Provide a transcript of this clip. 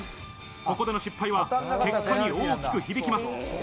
ここでの失敗は結果に大きく響きます。